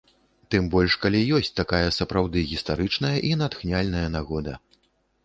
Тым больш калі ёсць такая сапраўды гістарычная і натхняльная нагода!